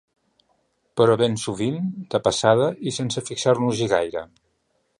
Però ben sovint de passada i sense fixar-nos-hi gaire.